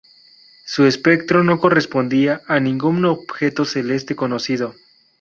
Su espectro no correspondía a ningún objeto celeste conocido.